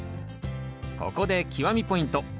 ここで極みポイント。